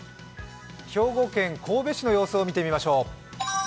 兵庫県神戸市の様子を見てみましょう。